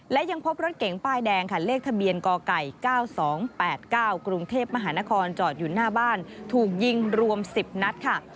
และยังพบรถเก๋งป้ายแดงค่ะเลขทะเบียนกไก่๙๒๘๙กรุงเทพมหานครจอดอยู่หน้าบ้านถูกยิงรวม๑๐นัดค่ะ